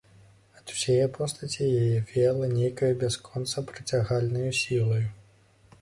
Ад усяе постаці яе веяла нейкаю бясконца прыцягальнаю сілаю.